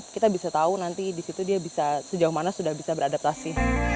kita bisa tahu nanti di situ dia bisa sejauh mana sudah bisa beradaptasi